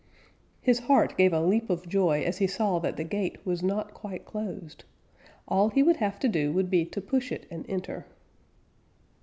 His heart gave a leap of joy as he saw that the gate was not quite closed. All he would have to do would be to push it and enter.